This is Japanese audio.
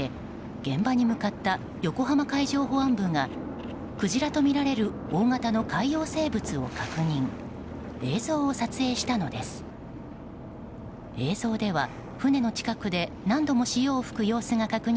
現場に向かった横浜海上保安部がクジラとみられる大型の海洋生物を確認。